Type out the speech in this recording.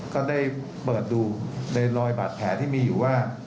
ก็ได้เปิดดูในรอยบาดแผลที่มีอยู่ว่า